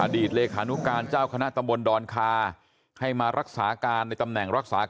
เลขานุการเจ้าคณะตำบลดอนคาให้มารักษาการในตำแหน่งรักษาการ